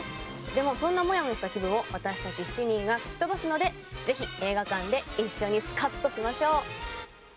でもそんなモヤモヤした気分を私たち７人が吹き飛ばすのでぜひ映画館で一緒にスカッとしましょう。